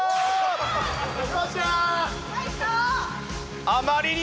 よっしゃー！